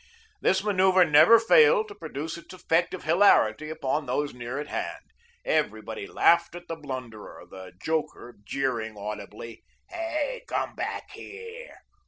This manoeuvre never failed to produce its effect of hilarity upon those near at hand. Everybody laughed at the blunderer, the joker jeering audibly. "Hey, come back here."